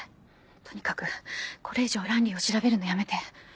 とにかくこれ以上ランリーを調べるのやめて。